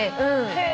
へえ。